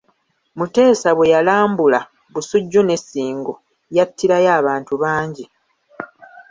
Mutesa bwe yalambula Busujju ne Ssingo, yattirayo abantu bangi.